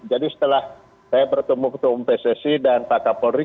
jadi setelah saya bertemu ketua umum pssi dan pak kapolri